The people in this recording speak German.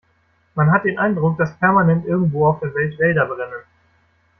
Man hat den Eindruck, dass permanent irgendwo auf der Welt Wälder brennen.